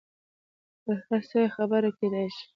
پر هر څه یې خبره کېدای شي.